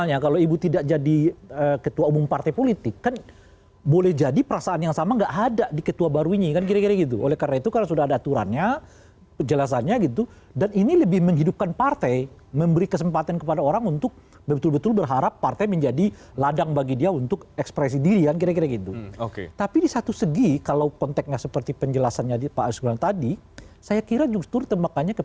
hubungan darah itu dinasti di negara lain pun itu terjadi kok